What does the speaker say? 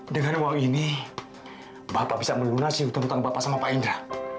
dengan uang ini bapak bisa melunasi tuntutan bapak sama pak indra